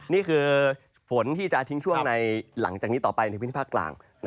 นี่คือฝนที่จะทิ้งช่วงในนี้ต่อไปหนึ่งพิเศษภาคกลาง